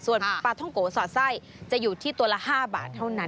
ส่วนปลาท่องโกสอดไส้จะอยู่ที่ตัวละ๕บาทเท่านั้น